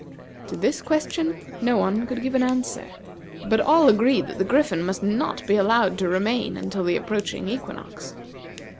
To this question no one could give an answer, but all agreed that the Griffin must not be allowed to remain until the approaching equinox.